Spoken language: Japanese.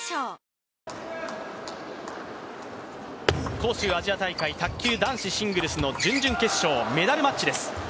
杭州アジア大会、卓球男子シングルスの準々決勝、メダルマッチです。